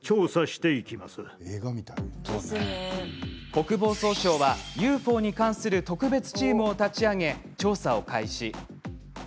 国防総省は、ＵＦＯに関する特別チームを立ち上げ調査を開始。